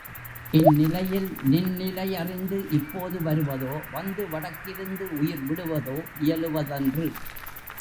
இந்நிலையில் நின்னிலை அறிந்து இப்போது வருவதோ, வந்து வடக்கிருந்து உயிர் விடுவதோ இயலுவதன்று.